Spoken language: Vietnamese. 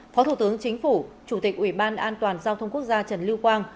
phó thủ tướng chính phủ chủ tịch ủy ban an toàn giao thông quốc gia trần lưu quang